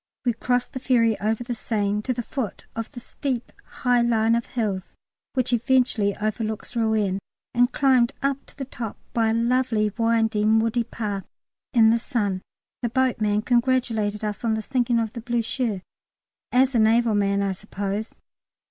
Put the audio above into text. We crossed the ferry over the Seine to the foot of the steep high line of hills which eventually overlooks Rouen, and climbed up to the top by a lovely winding woody path in the sun. (The boatman congratulated us on the sinking of the Blücher, as a naval man, I suppose.)